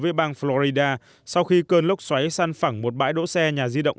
với bang florida sau khi cơn lốc xoáy săn phẳng một bãi đỗ xe nhà di động